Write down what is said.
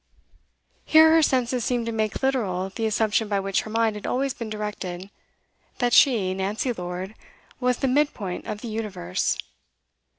Here her senses seemed to make literal the assumption by which her mind had always been directed: that she Nancy Lord was the mid point of the universe.